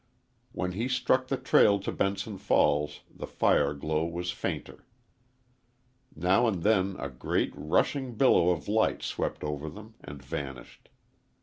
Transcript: When he struck the trail to Benson Falls the fire glow was fainter. Now and then a great, rushing billow of light swept over them and vanished.